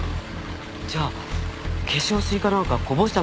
じゃあ化粧水か何かこぼしたのかしら？